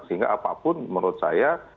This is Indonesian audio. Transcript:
sehingga apapun menurut saya